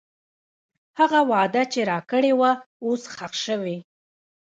هغه وعده چې راکړې وه، اوس ښخ شوې.